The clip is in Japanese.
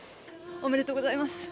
ありがとうございます。